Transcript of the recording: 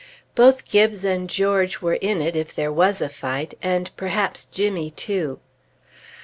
Both Gibbes and George were in it, if there was a fight, and perhaps Jimmy, too.